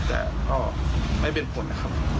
แต่ว่าไม่เป็นผลครับ